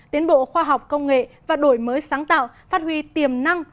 tiến bộ khoa học công nghệ và đổi mới sáng tạo phát huy tiềm năng